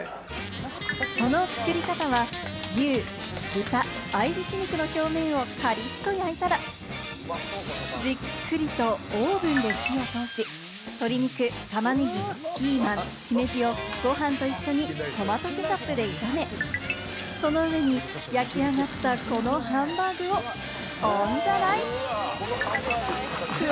その作り方は、牛、豚の合いびき肉の表面をカリッと焼いたら、じっくりとオーブンで火を通し、鶏肉、玉ねぎ、ピーマン、シメジをご飯と一緒にトマトケチャップで炒め、その上に焼き上がったこのハンバーグをオン・ザ・ライス。